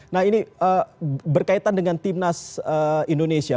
nah ini berkaitan dengan tim nas indonesia